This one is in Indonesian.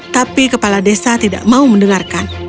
tapi kepala desa tidak mau mendengarkan